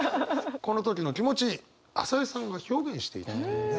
この時の気持ち朝井さんが表現していたというね。